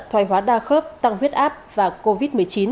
thoai hóa đa khớp tăng huyết áp và covid một mươi chín